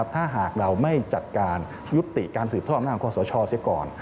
ถ้าหากเราไม่จัดการยุติการสืบทอดอำนาจคอสชเสียก่อน